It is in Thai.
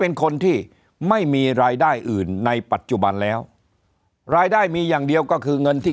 เป็นคนที่ไม่มีรายได้อื่นในปัจจุบันแล้วรายได้มีอย่างเดียวก็คือเงินที่